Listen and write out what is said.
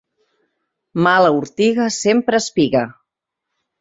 Mala ortiga sempre espiga.